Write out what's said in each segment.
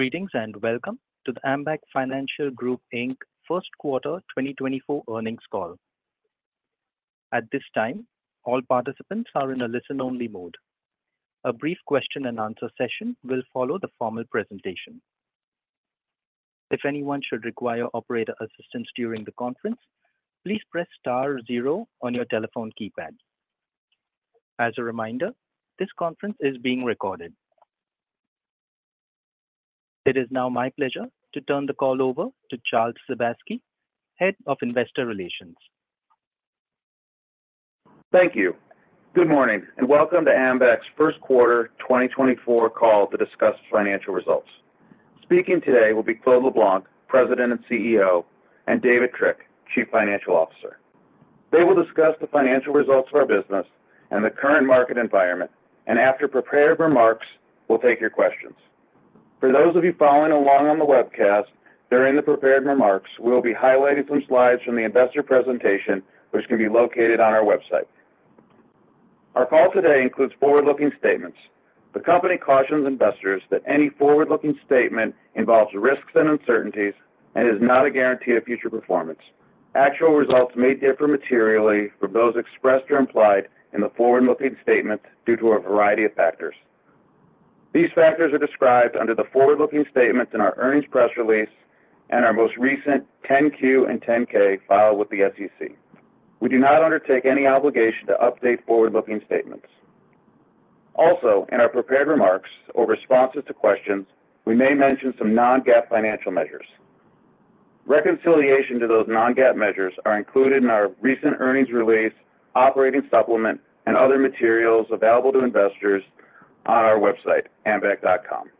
Greetings, and welcome to the Ambac Financial Group, Inc. first quarter 2024 earnings call. At this time, all participants are in a listen-only mode. A brief question and answer session will follow the formal presentation. If anyone should require operator assistance during the conference, please press star zero on your telephone keypad. As a reminder, this conference is being recorded. It is now my pleasure to turn the call over to Charles Sebaski, Head of Investor Relations. Thank you. Good morning, and welcome to Ambac's first quarter 2024 call to discuss financial results. Speaking today will be Claude LeBlanc, President and CEO, and David Trick, Chief Financial Officer. They will discuss the financial results of our business and the current market environment, and after prepared remarks, we'll take your questions. For those of you following along on the webcast, during the prepared remarks, we'll be highlighting some slides from the investor presentation, which can be located on our website. Our call today includes forward-looking statements. The company cautions investors that any forward-looking statement involves risks and uncertainties and is not a guarantee of future performance. Actual results may differ materially from those expressed or implied in the forward-looking statement due to a variety of factors. These factors are described under the forward-looking statements in our earnings press release and our most recent 10-Q and 10-K filed with the SEC. We do not undertake any obligation to update forward-looking statements. Also, in our prepared remarks or responses to questions, we may mention some non-GAAP financial measures. Reconciliation to those non-GAAP measures are included in our recent earnings release, operating supplement, and other materials available to investors on our website, ambac.com.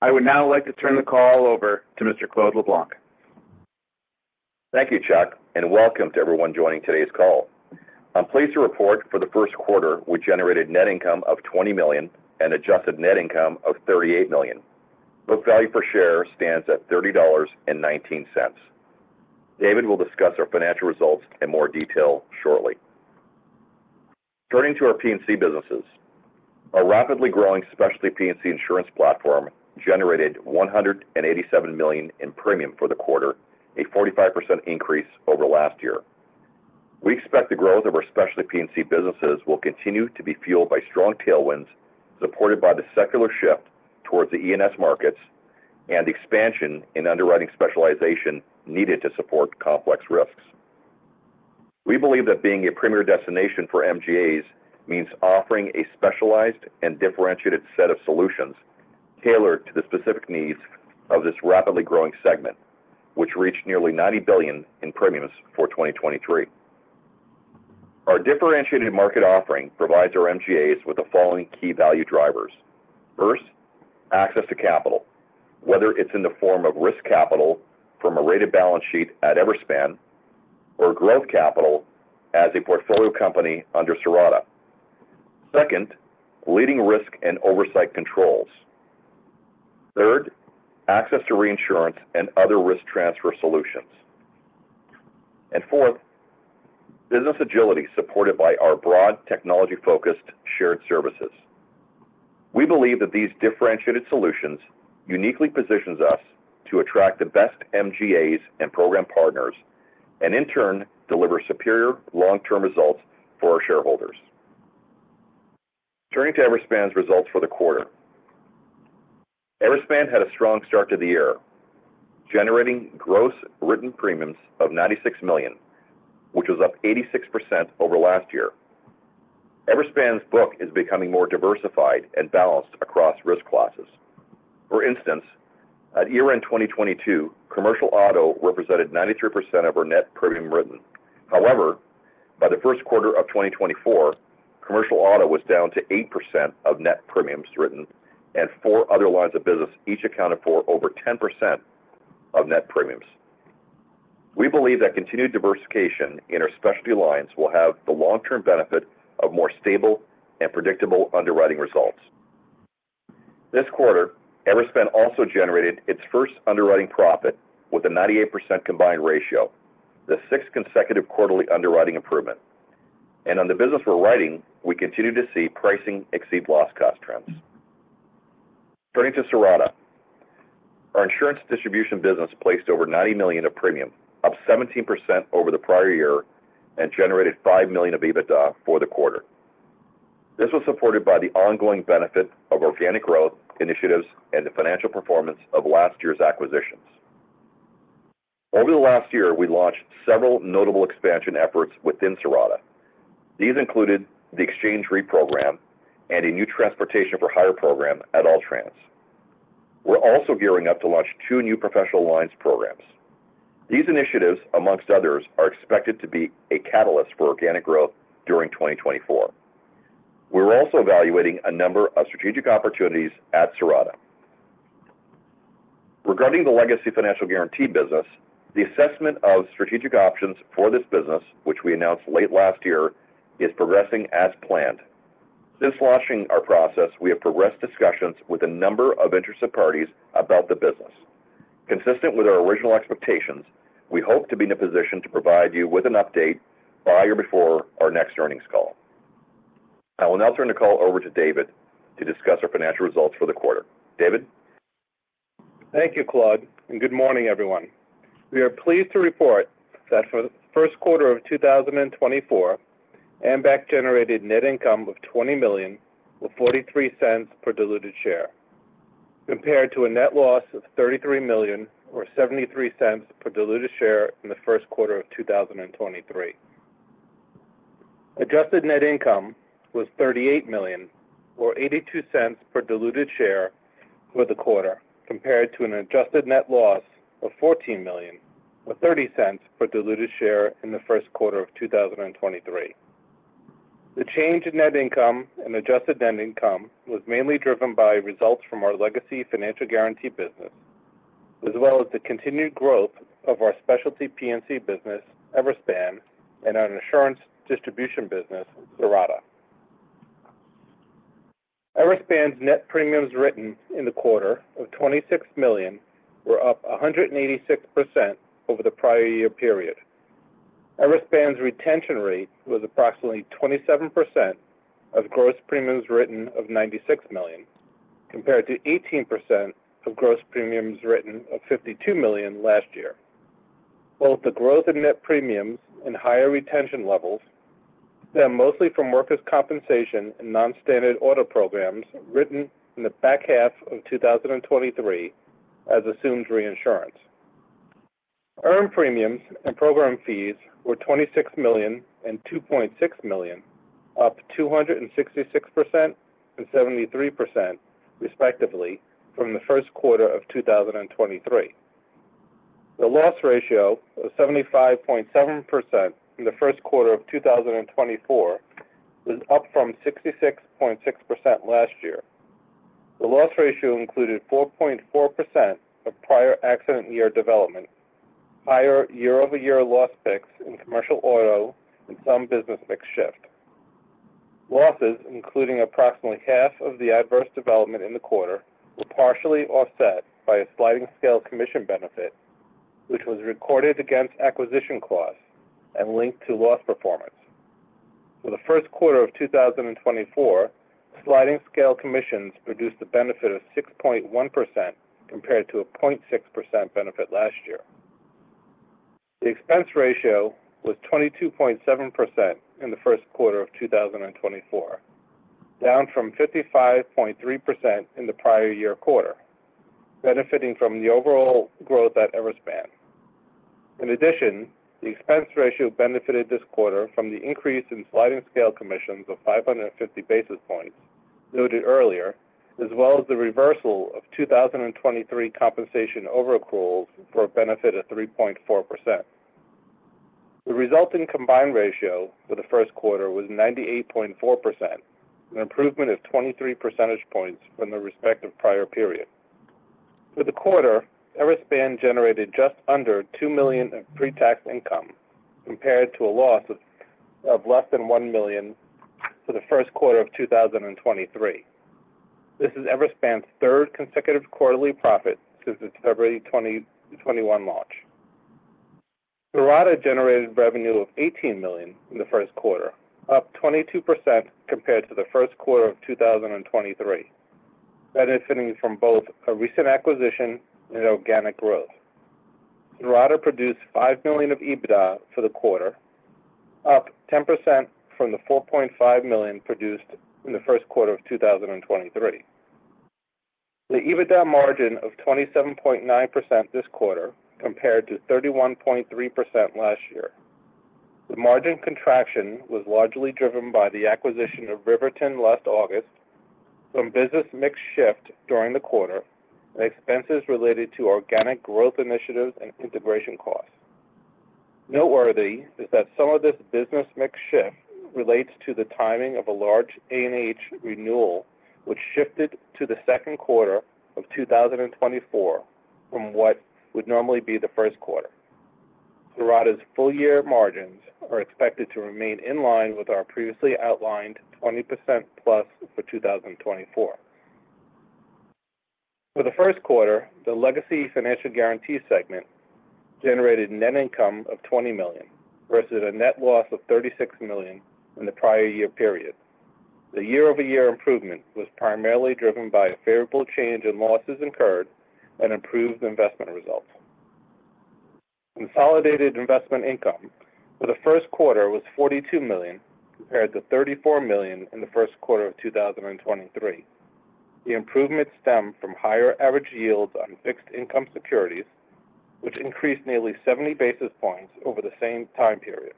I would now like to turn the call over to Mr. Claude LeBlanc. Thank you, Chuck, and welcome to everyone joining today's call. I'm pleased to report for the first quarter, we generated net income of $20 million and adjusted net income of $38 million. Book value per share stands at $30.19. David will discuss our financial results in more detail shortly. Turning to our P&C businesses. Our rapidly growing specialty P&C insurance platform generated $187 million in premium for the quarter, a 45% increase over last year. We expect the growth of our specialty P&C businesses will continue to be fueled by strong tailwinds, supported by the secular shift towards the E&S markets and expansion in underwriting specialization needed to support complex risks. We believe that being a premier destination for MGAs means offering a specialized and differentiated set of solutions tailored to the specific needs of this rapidly growing segment, which reached nearly $90 billion in premiums for 2023. Our differentiated market offering provides our MGAs with the following key value drivers: First, access to capital, whether it's in the form of risk capital from a rated balance sheet at Everspan or growth capital as a portfolio company under Cirrata. Second, leading risk and oversight controls. Third, access to reinsurance and other risk transfer solutions. And fourth, business agility, supported by our broad, technology-focused shared services. We believe that these differentiated solutions uniquely positions us to attract the best MGAs and program partners, and in turn, deliver superior long-term results for our shareholders. Turning to Everspan's results for the quarter. Everspan had a strong start to the year, generating gross written premiums of $96 million, which was up 86% over last year. Everspan's book is becoming more diversified and balanced across risk classes. For instance, at year-end 2022, Commercial Auto represented 93% of our net premium written. However, by the first quarter of 2024, Commercial Auto was down to 8% of net premiums written, and four other lines of business each accounted for over 10% of net premiums. We believe that continued diversification in our specialty lines will have the long-term benefit of more stable and predictable underwriting results. This quarter, Everspan also generated its first underwriting profit with a 98% combined ratio, the sixth consecutive quarterly underwriting improvement. And on the business we're writing, we continue to see pricing exceed loss cost trends. Turning to Cirrata. Our insurance distribution business placed over $90 million of premium, up 17% over the prior year, and generated $5 million of EBITDA for the quarter. This was supported by the ongoing benefit of organic growth initiatives and the financial performance of last year's acquisitions. Over the last year, we launched several notable expansion efforts within Cirrata. These included the Xchange Re and a new transportation for hire program at All Trans. We're also gearing up to launch two new professional lines programs. These initiatives, amongst others, are expected to be a catalyst for organic growth during 2024. We're also evaluating a number of strategic opportunities at Cirrata. Regarding the legacy financial guarantee business, the assessment of strategic options for this business, which we announced late last year, is progressing as planned. Since launching our process, we have progressed discussions with a number of interested parties about the business. Consistent with our original expectations, we hope to be in a position to provide you with an update by or before our next earnings call. I will now turn the call over to David to discuss our financial results for the quarter. David? Thank you, Claude, and good morning, everyone. We are pleased to report that for the first quarter of 2024, Ambac generated net income of $20 million, or $0.43 per diluted share, compared to a net loss of $33 million, or $0.73 per diluted share in the first quarter of 2023. Adjusted net income was $38 million, or $0.82 per diluted share for the quarter, compared to an adjusted net loss of $14 million, or $0.30 per diluted share in the first quarter of 2023. The change in net income and adjusted net income was mainly driven by results from our legacy financial guarantee business, as well as the continued growth of our specialty P&C business, Everspan, and our insurance distribution business, Cirrata. Everspan's net premiums written in the quarter of $26 million were up 186% over the prior year period. Everspan's retention rate was approximately 27% of gross premiums written of $96 million, compared to 18% of gross premiums written of $52 million last year. Both the growth in net premiums and higher retention levels stem mostly from workers' compensation and non-standard auto programs written in the back half of 2023 as assumed reinsurance. Earned premiums and program fees were $26 million and $2.6 million, up 266% and 73%, respectively, from the first quarter of 2023. The loss ratio of 75.7% in the first quarter of 2024 was up from 66.6% last year. The loss ratio included 4.4% of prior accident year development, higher year-over-year loss picks in commercial auto, and some business mix shift. Losses, including approximately half of the adverse development in the quarter, were partially offset by a sliding scale commission benefit, which was recorded against acquisition costs and linked to loss performance. For the first quarter of 2024, sliding scale commissions produced a benefit of 6.1%, compared to a 0.6% benefit last year. The expense ratio was 22.7% in the first quarter of 2024, down from 55.3% in the prior year quarter, benefiting from the overall growth at Everspan. In addition, the expense ratio benefited this quarter from the increase in sliding scale commissions of 550 basis points noted earlier, as well as the reversal of 2023 compensation over-accruals for a benefit of 3.4%. The resulting combined ratio for the first quarter was 98.4%, an improvement of 23 percentage points from the respective prior period. For the quarter, Everspan generated just under $2 million of pre-tax income, compared to a loss of less than $1 million for the first quarter of 2023. This is Everspan's third consecutive quarterly profit since its February 2021 launch. Cirrata generated revenue of $18 million in the first quarter, up 22% compared to the first quarter of 2023, benefiting from both a recent acquisition and organic growth. Cirrata produced $5 million of EBITDA for the quarter, up 10% from the $4.5 million produced in the first quarter of 2023. The EBITDA margin of 27.9% this quarter compared to 31.3% last year. The margin contraction was largely driven by the acquisition of Riverton last August, some business mix shift during the quarter, and expenses related to organic growth initiatives and integration costs. Noteworthy is that some of this business mix shift relates to the timing of a large A&H renewal, which shifted to the second quarter of 2024 from what would normally be the first quarter. Cirrata's full year margins are expected to remain in line with our previously outlined 20%+ for 2024. For the first quarter, the legacy financial guarantee segment generated net income of $20 million, versus a net loss of $36 million in the prior year period. The year-over-year improvement was primarily driven by a favorable change in losses incurred and improved investment results. Consolidated investment income for the first quarter was $42 million, compared to $34 million in the first quarter of 2023. The improvement stemmed from higher average yields on fixed income securities, which increased nearly 70 basis points over the same time period.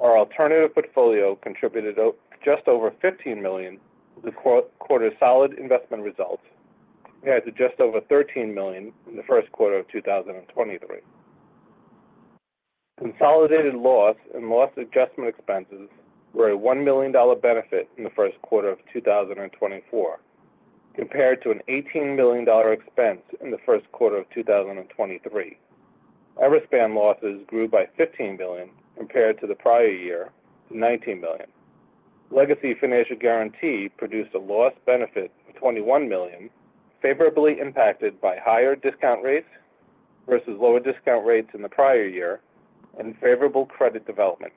Our alternative portfolio contributed just over $15 million to the quarter's solid investment results, compared to just over $13 million in the first quarter of 2023. Consolidated loss and loss adjustment expenses were a $1 million benefit in the first quarter of 2024, compared to an $18 million expense in the first quarter of 2023. Everspan losses grew by $15 billion, compared to the prior year to $90 million. Legacy financial guarantee produced a loss benefit of $21 million, favorably impacted by higher discount rates versus lower discount rates in the prior year and favorable credit development.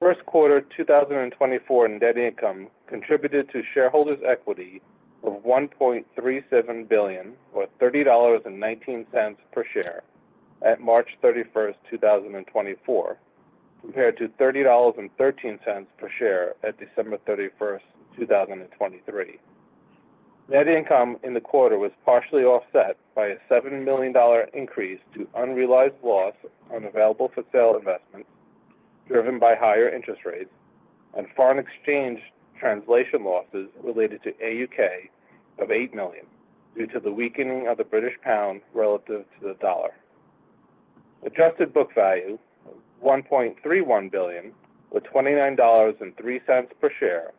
First quarter 2024 net income contributed to shareholders' equity of $1.37 billion, or $30.19 per share at March 31, 2024, compared to $30.13 per share at December 31, 2023. Net income in the quarter was partially offset by a $7 million increase to unrealized loss on available for sale investments, driven by higher interest rates and foreign exchange translation losses related to AUK of $8 million due to the weakening of the British pound relative to the dollar. Adjusted book value of $1.31 billion, with $29.03 per share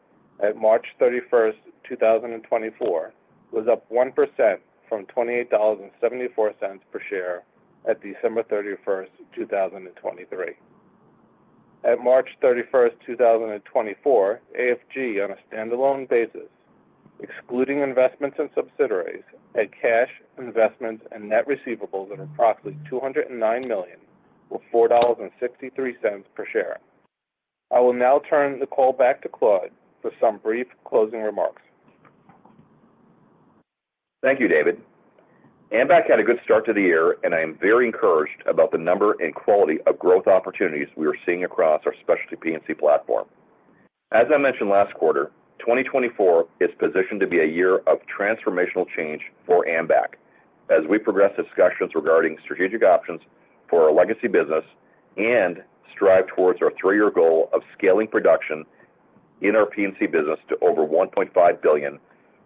at March 31, 2024, was up 1% from $28.74 per share at December 31, 2023. At March 31, 2024, AFG, on a standalone basis, excluding investments in subsidiaries, had cash, investments, and net receivables of approximately $209 million, or $4.63 per share. I will now turn the call back to Claude for some brief closing remarks. Thank you, David. Ambac had a good start to the year, and I am very encouraged about the number and quality of growth opportunities we are seeing across our specialty P&C platform. As I mentioned last quarter, 2024 is positioned to be a year of transformational change for Ambac as we progress discussions regarding strategic options for our legacy business and strive towards our three-year goal of scaling production in our P&C business to over $1.5 billion,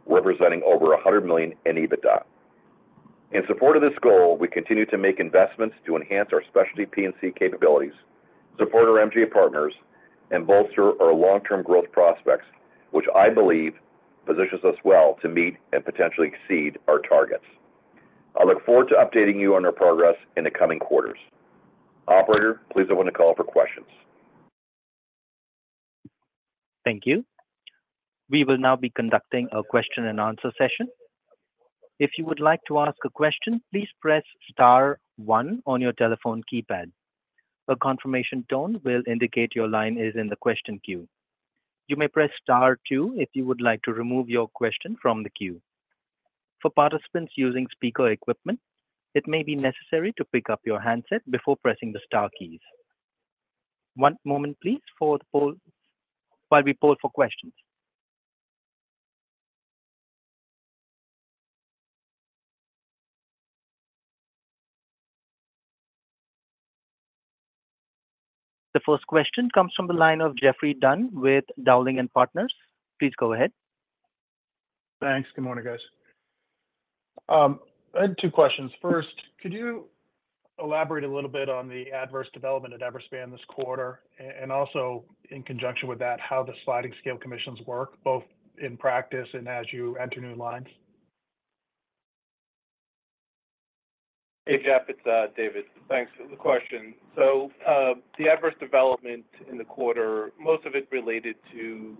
representing over $100 million in EBITDA. In support of this goal, we continue to make investments to enhance our specialty P&C capabilities, support our MGA partners, and bolster our long-term growth prospects, which I believe positions us well to meet and potentially exceed our targets. I look forward to updating you on our progress in the coming quarters. Operator, please open the call for questions. Thank you. We will now be conducting a question and answer session. If you would like to ask a question, please press star one on your telephone keypad. A confirmation tone will indicate your line is in the question queue. You may press star two if you would like to remove your question from the queue. For participants using speaker equipment, it may be necessary to pick up your handset before pressing the star keys. One moment please for the poll while we poll for questions. The first question comes from the line of Geoffrey Dunn with Dowling & Partners. Please go ahead. Thanks. Good morning, guys. I had two questions. First, could you elaborate a little bit on the adverse development at Everspan this quarter, and also in conjunction with that, how the sliding scale commissions work, both in practice and as you enter new lines? Hey, Geoff, it's David. Thanks for the question. So, the adverse development in the quarter, most of it related to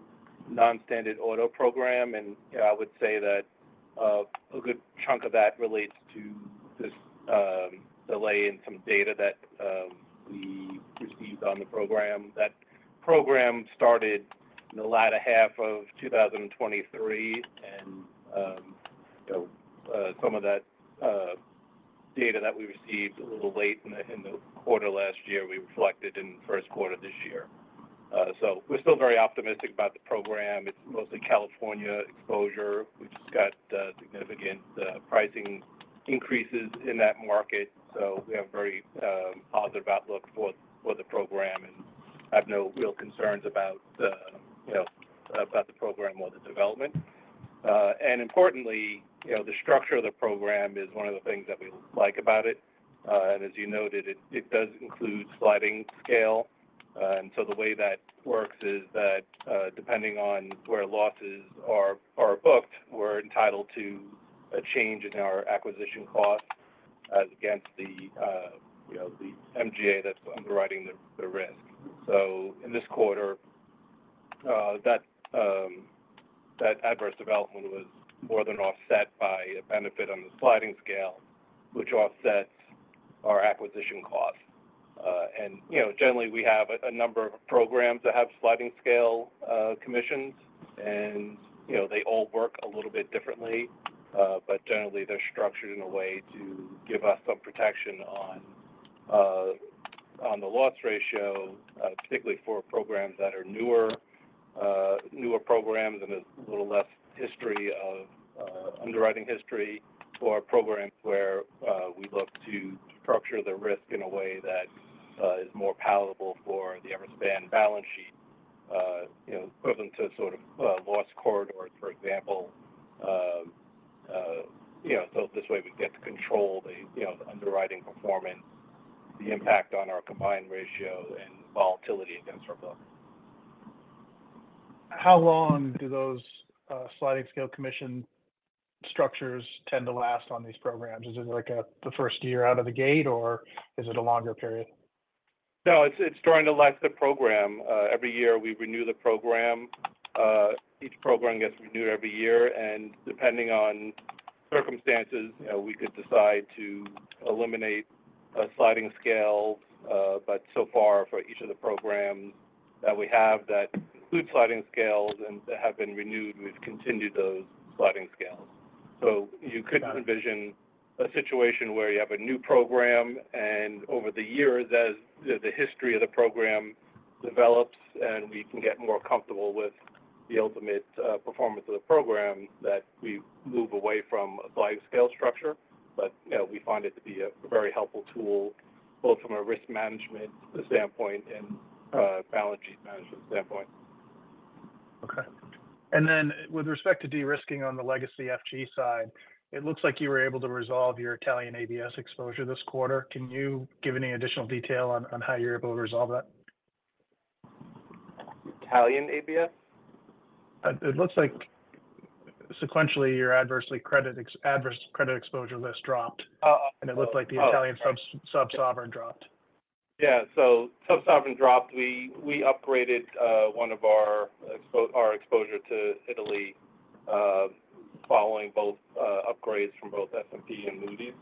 non-standard auto program, and I would say that a good chunk of that relates to this delay in some data that we received on the program. That program started in the latter half of 2023, and, you know, some of that data that we received a little late in the quarter last year, we reflected in the first quarter this year. So we're still very optimistic about the program. It's mostly California exposure. We've got significant pricing increases in that market, so we have a very positive outlook for the program, and I have no real concerns about, you know, about the program or the development. Importantly, you know, the structure of the program is one of the things that we like about it. As you noted, it does include sliding scale. So the way that works is that, depending on where losses are booked, we're entitled to a change in our acquisition cost as against the, you know, the MGA that's underwriting the risk. In this quarter, that adverse development was more than offset by a benefit on the sliding scale, which offsets our acquisition costs. And, you know, generally, we have a number of programs that have sliding scale commissions, and, you know, they all work a little bit differently, but generally, they're structured in a way to give us some protection on the loss ratio, particularly for programs that are newer, newer programs and a little less history of underwriting history or programs where we look to structure the risk in a way that is more palatable for the Everspan balance sheet, you know, equivalent to sort of loss corridors, for example. You know, so this way we get to control the underwriting performance, the impact on our combined ratio and volatility against our book. How long do those sliding scale commission structures tend to last on these programs? Is it like the first year out of the gate, or is it a longer period? No, it's, it's during the length of program. Every year we renew the program. Each program gets renewed every year, and depending on circumstances, you know, we could decide to eliminate a sliding scale. But so far, for each of the programs that we have that include sliding scales and that have been renewed, we've continued those sliding scales. So you could envision a situation where you have a new program, and over the years, as the history of the program develops and we can get more comfortable with the ultimate performance of the program, that we move away from a sliding scale structure. But, you know, we find it to be a very helpful tool, both from a risk management standpoint and balance sheet management standpoint. Okay. And then with respect to de-risking on the legacy FG side, it looks like you were able to resolve your Italian ABS exposure this quarter. Can you give any additional detail on how you're able to resolve that? Italian ABS? It looks like sequentially, your adverse credit exposure list dropped. Oh, oh. It looked like the Italian sub-sovereign dropped. Yeah, so sub-sovereign dropped. We upgraded one of our exposure to Italy following both upgrades from both S&P and Moody's.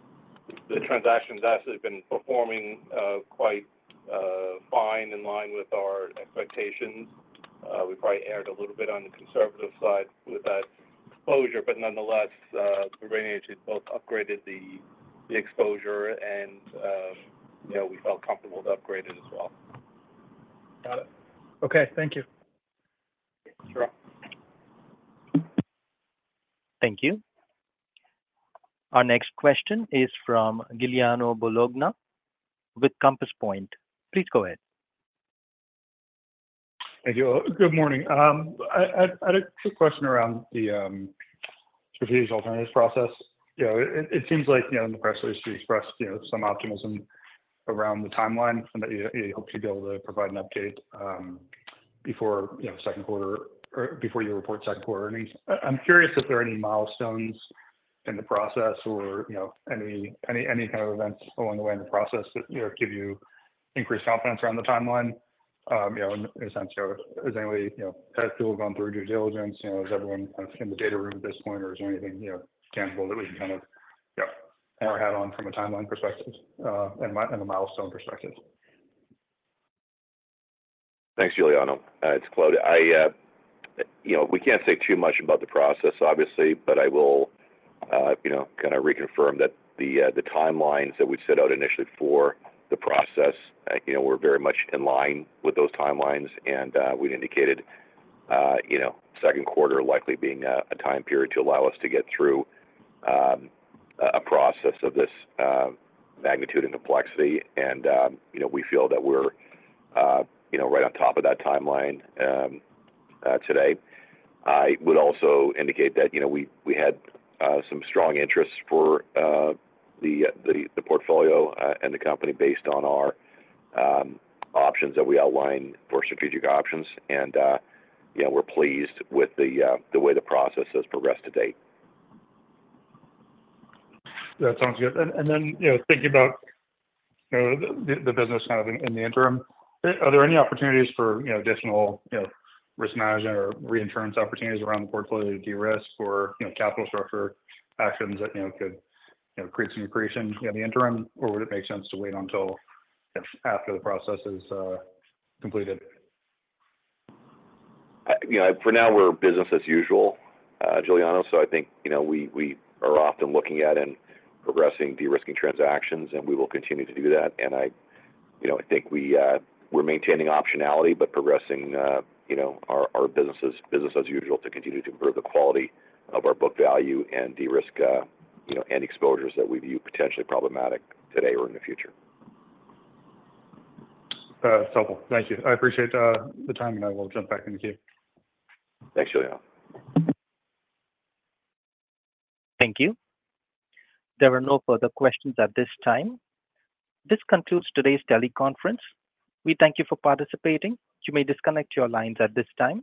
The transaction's asset has been performing quite fine, in line with our expectations. We probably erred a little bit on the conservative side with that exposure, but nonetheless, the rating agency both upgraded the exposure and, you know, we felt comfortable to upgrade it as well. Got it. Okay. Thank you. Sure. Thank you. Our next question is from Giuliano Bologna with Compass Point. Please go ahead. Thank you. Good morning. I had a quick question around the strategic alternatives process. You know, it seems like, you know, in the press release, you expressed, you know, some optimism around the timeline, and that you hope to be able to provide an update, before, you know, second quarter or before you report second quarter earnings. I'm curious if there are any milestones in the process or, you know, any kind of events along the way in the process that, you know, give you increased confidence around the timeline? You know, in a sense, you know, has anybody, you know, has people gone through due diligence? You know, is everyone kind of in the data room at this point, or is there anything, you know, tangible that we can kind of, you know, have our hat on from a timeline perspective, and a milestone perspective? Thanks, Giuliano. It's Claude. I, you know, we can't say too much about the process, obviously, but I will, you know, kind of reconfirm that the timelines that we set out initially for the process, you know, we're very much in line with those timelines. And we'd indicated, you know, second quarter likely being a time period to allow us to get through a process of this magnitude and complexity. And, you know, we feel that we're, you know, right on top of that timeline today. I would also indicate that, you know, we had some strong interest for the portfolio and the company based on our options that we outlined for strategic options. You know, we're pleased with the way the process has progressed to date. That sounds good. And then, you know, thinking about, you know, the business kind of in the interim, are there any opportunities for, you know, additional, you know, risk management or reinsurance opportunities around the portfolio to de-risk or, you know, capital structure actions that, you know, could, you know, create some accretion in the interim? Or would it make sense to wait until after the process is completed? You know, for now, we're business as usual, Giuliano. So I think, you know, we are often looking at and progressing de-risking transactions, and we will continue to do that. And I, you know, I think we're maintaining optionality but progressing, you know, our business as usual to continue to improve the quality of our book value and de-risk, you know, any exposures that we view potentially problematic today or in the future. Helpful. Thank you. I appreciate the time, and I will jump back in the queue. Thanks, Giuliano. Thank you. There are no further questions at this time. This concludes today's teleconference. We thank you for participating. You may disconnect your lines at this time.